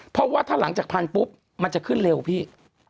เพราะว่าถ้าหลังจากพันปุ๊บมันจะขึ้นเร็วพี่